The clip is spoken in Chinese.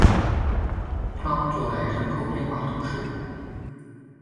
普朗佐莱人口变化图示